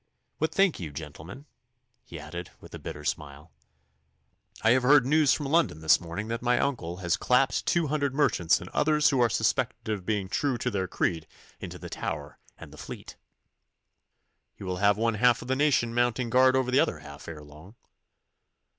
'What think you, gentlemen?' he added, with a bitter smile. 'I have heard news from London this morning, that my uncle has clapped two hundred merchants and others who are suspected of being true to their creed into the Tower and the Fleet. He will have one half of the nation mounting guard over the other half ere long.